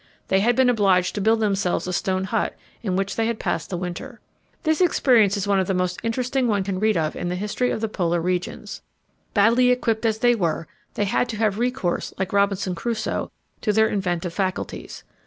They had been obliged to build themselves a stone hut, in which they had passed the winter. This experience is one of the most interesting one can read of in the history of the Polar regions. Badly equipped as they were, they had to have recourse, like Robinson Crusoe, to their inventive faculties.